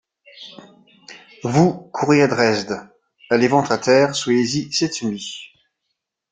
Vous, courez à Dresde ; allez ventre à terre ; soyez-y cette nuit.